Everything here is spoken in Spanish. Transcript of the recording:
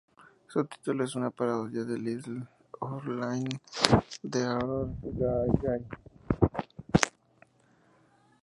Su título es una parodia de "Little Orphan Annie" de Harold Gray.